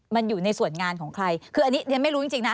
มันอยู่ในส่วนงานของใครคืออันนี้เรียนไม่รู้จริงนะ